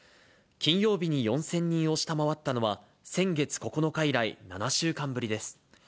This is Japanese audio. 金曜日に４０００人を下回ったのは、先月９日以来７週間ぶりです。